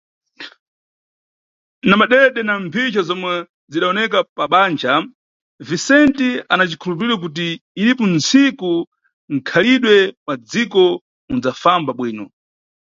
Na madede na mphicha zomwe zimbawoneka pa bandja, Vicente ana cikhulupiriro kuti iripo ntsiku nkhalidwe wa dziko unʼdzafamba bwino.